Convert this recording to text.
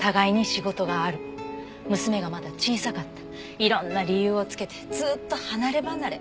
いろんな理由をつけてずっと離ればなれ。